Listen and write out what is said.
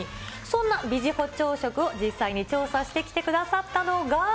そんなビジホ朝食を実際に調査してきてくださったのが。